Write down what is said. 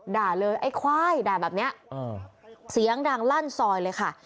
ด่าเลยไอ้ควายด่าแบบนี้เสียงดังลั่นซอยเลยค่ะ